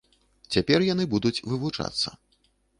Цяпер яны будуць вывучацца.